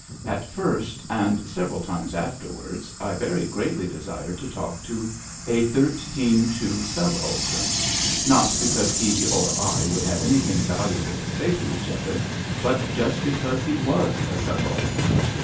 At first, and several times afterwards, I very greatly desired to talk to a thirteen two subaltern — ^not because he or I would have anything valua T)le to say to each other, but just because he was a subaltern.